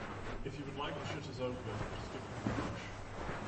If you would like the shutters open, just give them a push.